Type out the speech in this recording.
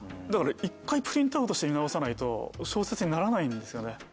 だから１回プリントアウトして見直さないと小説にならないんですよね。